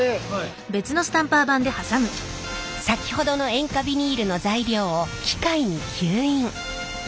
先ほどの塩化ビニールの材料を機械に吸引。